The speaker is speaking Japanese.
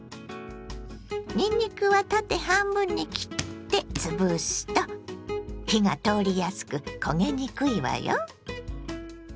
にんにくは縦半分に切ってつぶすと火が通りやすく焦げにくいわよ。